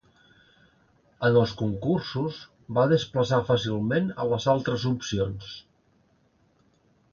En els concursos va desplaçar fàcilment a les altres opcions.